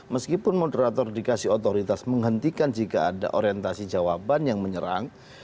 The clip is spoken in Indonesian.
meskipun moderator dikasih otoritas menghentikan jika ada orientasi jawaban yang menyerang